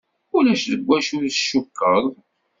Ulac deg wacu i d-tcukkeḍ?